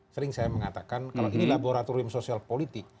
sering saya mengatakan kalau ini laboratorium sosial politik